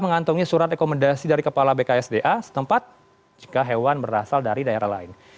mengantungi surat rekomendasi dari kepala bksda setempat jika hewan berasal dari daerah lain